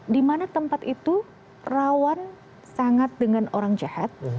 di mana tempat itu rawan sangat dengan orang jahat